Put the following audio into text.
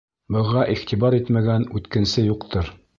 Быға иғтибар итмәгән үткенсе юҡтыр.